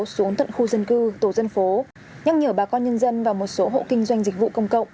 xuống tận khu dân cư tổ dân phố nhắc nhở bà con nhân dân và một số hộ kinh doanh dịch vụ công cộng